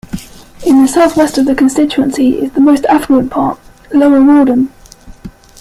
In the south-west of the constituency is the most affluent part, Lower Morden.